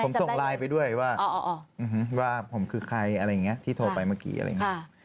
ผมส่งไลน์ไปด้วยว่าผมคือใครอะไรอย่างนี้ที่โทรไปเมื่อกี้อะไรอย่างนี้